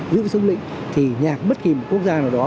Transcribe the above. giữ xứng lịnh thì nhạc bất kỳ một quốc gia nào đó